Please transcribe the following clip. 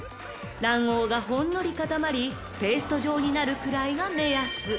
［卵黄がほんのり固まりペースト状になるくらいが目安］